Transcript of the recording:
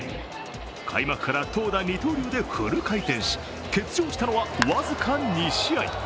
開幕から投打二刀流でフル回転し欠場したのは僅か２試合。